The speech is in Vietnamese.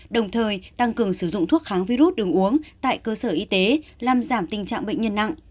đồng thời tăng cường sử dụng thuốc kháng virus đường uống tại cơ sở y tế làm giảm tình trạng bệnh nhân nặng